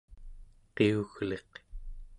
qiugliq